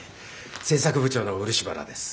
制作部長の漆原です。